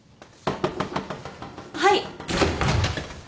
・はい。